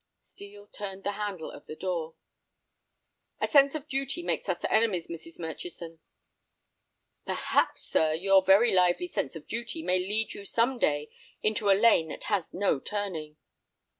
Steel turned the handle of the door. "A sense of duty makes us enemies, Mrs. Murchison." "Perhaps, sir, your very lively sense of duty may lead you some day into a lane that has no turning."